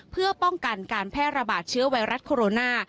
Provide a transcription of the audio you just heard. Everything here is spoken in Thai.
เพื่อป้องกันการแพร่ระบาดเชื้อไวรัสโคโรนา